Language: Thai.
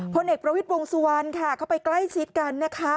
เอกประวิทย์วงสุวรรณค่ะเข้าไปใกล้ชิดกันนะคะ